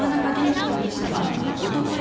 稀容疑者はおととい